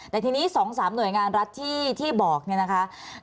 แต่ทีนี้๒๓หน่วยงานรัฐที่บอกเนี่ยนะคะ